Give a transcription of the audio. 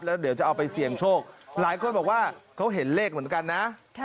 แล้วเดี๋ยวจะเอาไปเสี่ยงโชคหลายคนบอกว่าเขาเห็นเลขเหมือนกันนะ